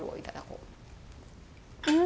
うん！